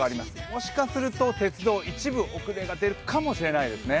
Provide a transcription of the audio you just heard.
もしかすると鉄道、一部遅れが出るかもしれないですね。